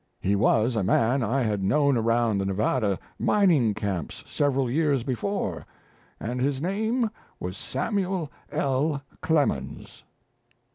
He was a man I had known around the Nevada mining camps several years before, and his name was Samuel L. Clemens."